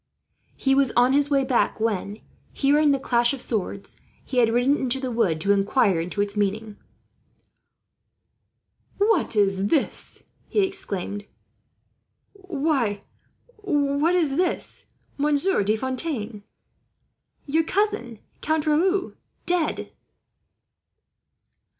He was on his way back when, hearing the clash of swords, he had ridden into the wood to inquire into its meaning. "What is this?" he exclaimed. "Why, what is this, Monsieur De Fontaine? Your cousin, Count Raoul, dead!"